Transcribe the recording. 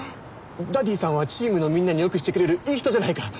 ダディさんはチームのみんなによくしてくれるいい人じゃないか。